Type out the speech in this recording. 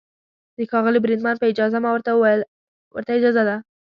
د ښاغلي بریدمن په اجازه، ما ورته وویل: ورته اجازه ده.